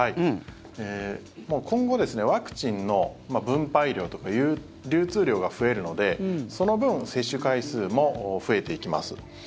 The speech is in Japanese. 今後ワクチンの分配量とか流通量が増えるのでその分接種回数も増えていきます。